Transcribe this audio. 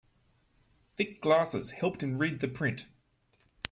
Thick glasses helped him read the print.